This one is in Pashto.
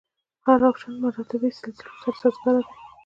هر اپشن مراتبي سلسلو سره سازګاره دی.